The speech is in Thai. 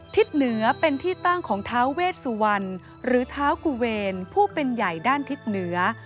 ทิศเหนือเป็นที่ตั้งของท้าเวชสุวรรณหรือเท้ากูเวรผู้เป็นใหญ่ด้านทิศเหนือ